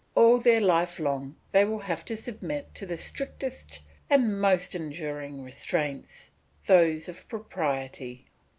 All their life long, they will have to submit to the strictest and most enduring restraints, those of propriety.